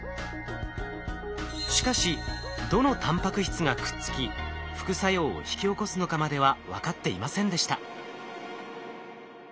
しかしどのタンパク質がくっつき副作用を引き起こすのかまでは分かっていませんでした。